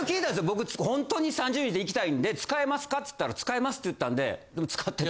僕ホントに３０人で行きたいんで使えますかつったら使えますって言ったんで使って。